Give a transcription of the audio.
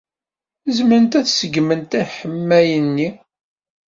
Zemrent ad ṣeggment aḥemmay-nni.